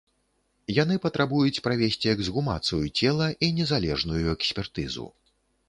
Яны патрабуюць правесці эксгумацыю цела і незалежную экспертызу.